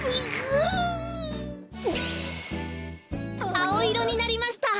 あおいろになりました。